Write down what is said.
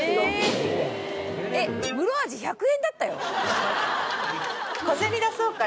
ムロアジ１００円だったよ？